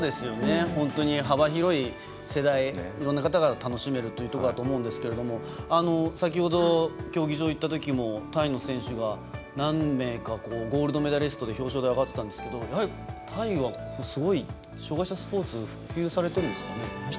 幅広い世代いろんな方が楽しめると思うんですけど先ほど、競技場行ったときもタイの選手が何名かゴールドメダリストで表彰台上がってたんですけどタイはすごい障がいスポーツ普及されているんですかね。